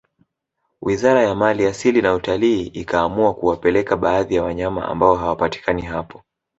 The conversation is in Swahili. wizara ya mali asili na utalii ikaamua kuwapeleka baadhi ya wanyama ambao hawapatikani hapo